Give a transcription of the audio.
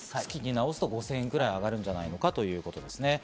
月に直すと５０００円ぐらい上がるんじゃないかということですね。